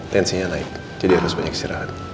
tensinya naik jadi harus banyak istirahat